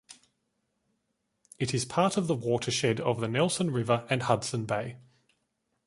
It is part of the watershed of the Nelson River and Hudson Bay.